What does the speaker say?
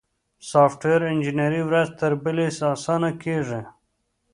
سافټویر انجینري ورځ تر بلې اسانه کیږي.